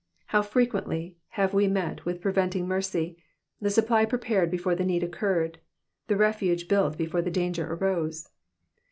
How fre quently have we met with preventing mercy— the supply prepared before the need occurred, the refuge built before the danger arose.